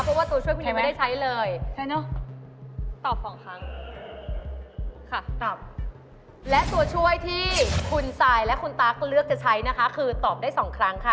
ตัวช่วยคุณยังไม่ได้ใช้เลยตอบ๒ครั้งและตัวช่วยที่คุณซายและคุณตั๊กเลือกจะใช้นะคะคือตอบได้๒ครั้งค่ะ